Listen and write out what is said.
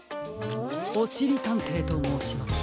おしりたんていともうします。